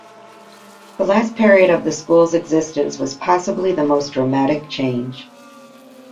The last period of the school's existence was possibly the most dramatic change.